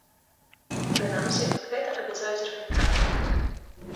Прынамсі, гэта абяцаюць арганізатары.